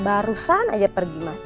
barusan ajak pergi mas